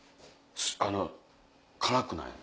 あの辛くない